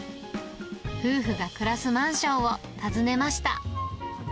夫婦が暮らすマンションを訪ねました。